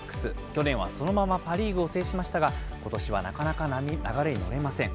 去年はそのままパ・リーグを制しましたが、ことしはなかなか流れに乗れません。